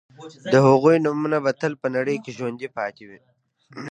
د هغوی نومونه به تل په نړۍ کې ژوندي پاتې وي